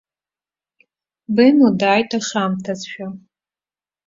Бено дааит ашамҭазшәа.